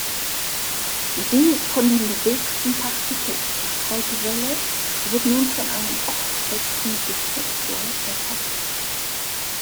Die von dem bewegten Partikel gestreute Welle wird nun von einem ortsfesten Detektor erfasst.